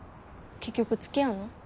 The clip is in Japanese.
結局つきあうの？